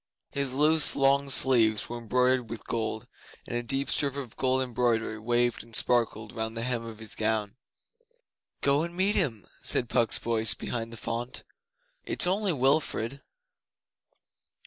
His loose long sleeves were embroidered with gold, and a deep strip of gold embroidery waved and sparkled round the hem of his gown. 'Go and meet him,' said Puck's voice behind the font. 'It's only Wilfrid.